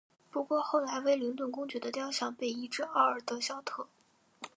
不过后来威灵顿公爵的雕像被移至奥尔德肖特。